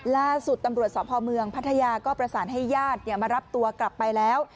ล่าสุดตำรวจสพเมืองพัทยาก็ประสานให้ญาติมารับตัวกลับไปแล้ว